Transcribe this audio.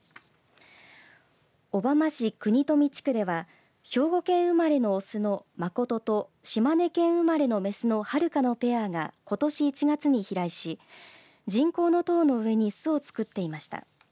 小浜市国富地区では兵庫県生まれの雄の誠と島根県生まれの雌のはるかのペアがことし１月に飛来し人工の塔の上に巣を作っていました。